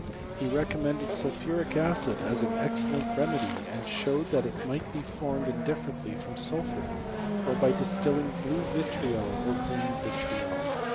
He recommended sulphuric acid as an excellent remedy, and showed that it might be formed indifferently from sulphur, or by distilling blue vitriol or green vitriol.